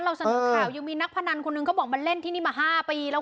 เราเสนอข่าวยังมีนักพนันคนนึงเขาบอกมาเล่นที่นี่มา๕ปีแล้ว